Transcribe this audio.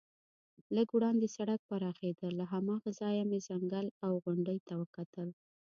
لږ وړاندې سړک پراخېده، له هماغه ځایه مې ځنګل او غونډۍ ته وکتل.